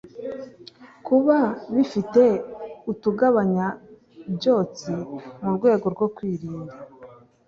kuba bifite utugabanyabyotsi mu rwego rwo kwirinda